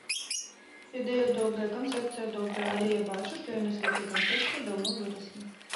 Ідэя добрая, канцэпцыя добрая, але я бачу, што яны з гэтай канцэпцыі даўно выраслі.